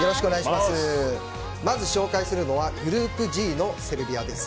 まず紹介するのはグループＧのセルビアです。